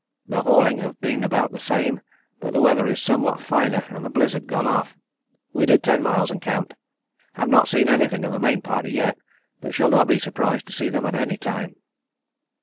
The hauling have been about the same, but the weather is somewhat finer and the blizzard gone off. We did 10 miles and camped; have not seen anything of the main party yet but shall not be surprised to see them at any time.